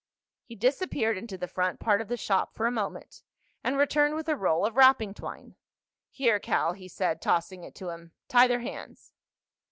He disappeared into the front part of the shop for a moment and returned with a roll of wrapping twine. "Here, Cal," he said, tossing it to him. "Tie their hands."